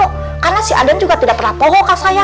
karena si aden juga tidak pernah poho kak saya